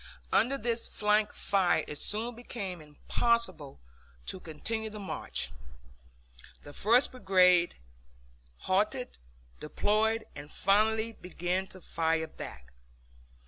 Under this flank fire it soon became impossible to continue the march. The first brigade halted, deployed, and finally began to fire back.